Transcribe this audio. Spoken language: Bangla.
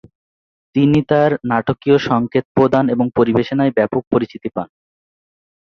তিনি তার নাটকীয় সঙ্কেত প্রদান ও পরিবেশনায় ব্যাপক পরিচিতি পান।